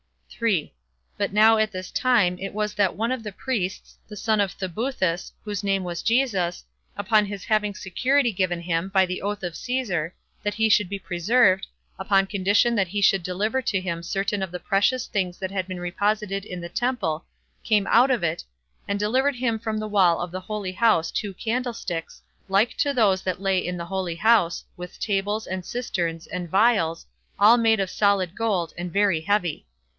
3. But now at this time it was that one of the priests, the son of Thebuthus, whose name was Jesus, upon his having security given him, by the oath of Caesar, that he should be preserved, upon condition that he should deliver to him certain of the precious things that had been reposited in the temple 29 came out of it, and delivered him from the wall of the holy house two candlesticks, like to those that lay in the holy house, with tables, and cisterns, and vials, all made of solid gold, and very heavy.